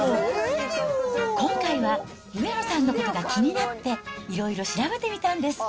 今回は上野さんのことが気になって、いろいろ調べてみたんです。